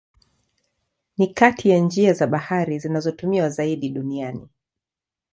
Ni kati ya njia za bahari zinazotumiwa zaidi duniani.